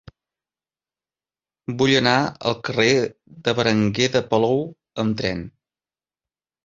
Vull anar al carrer de Berenguer de Palou amb tren.